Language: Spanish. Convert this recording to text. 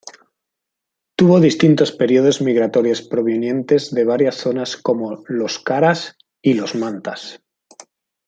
Tuvo distintos períodos migratorios provenientes de varias zonas como los Caras y los Mantas.